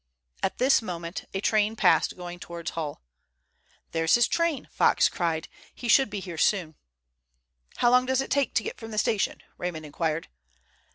At this moment a train passed going towards Hull. "There's his train," Fox cried. "He should be here soon." "How long does it take to get from the station?" Raymond inquired.